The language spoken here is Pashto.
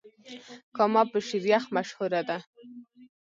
کامه په شيريخ مشهوره ده.